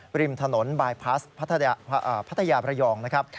ริมถนนบายพลัสพัทยาบรยองนะครับ